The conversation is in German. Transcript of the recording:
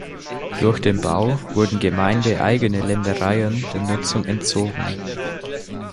Durch den Bau wurden gemeindeeigene Ländereien der Nutzung entzogen.